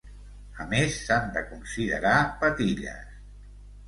A més, s'han de considerar patilles.